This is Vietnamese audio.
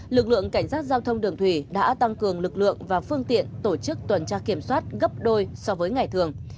lực lượng cảnh sát giao thông đường thủy đã tăng cường lực lượng và phương tiện tổ chức tuần tra kiểm soát gấp đôi so với ngày thường